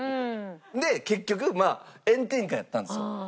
で結局まあ炎天下やったんですよ。